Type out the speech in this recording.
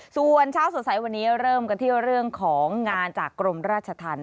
ส่วนเช้าสดใสวันนี้เริ่มกันที่เรื่องของงานจากกรมราชธรรม